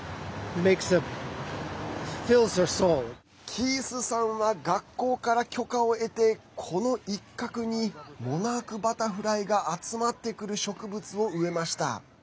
キースさんは学校から許可を得てこの一角にモナークバタフライが集まってくる植物を植えました。